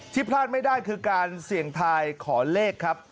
พลาดไม่ได้คือการเสี่ยงทายขอเลขครับ